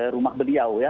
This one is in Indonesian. rumah beliau ya